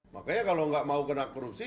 makanya kalau nggak mau kena korupsi